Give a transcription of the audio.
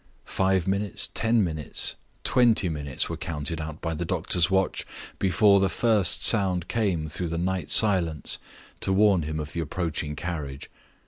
Five minutes, ten minutes, twenty minutes, were counted out by the doctor's watch, before the first sound came through the night silence to warn him of the approaching carriage.